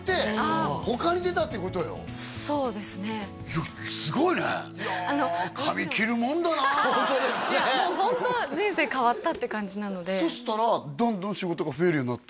そうですねいやすごいねいや髪切るもんだないやもうホント人生変わったって感じなのでそしたらどんどん仕事が増えるようになったの？